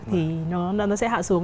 thì nó sẽ hạ xuống